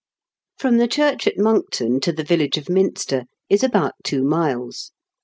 From the church at Monkton to the village of Minster is about two miles.